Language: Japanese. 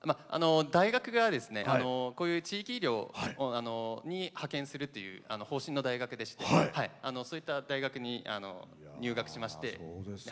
大学が、そういう地域医療に派遣するという方針の大学でしてそういった大学に入学しまして。